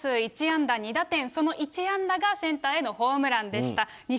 大谷選手は２だすう１安打２打点、その１安打がセンターへのホームランでした。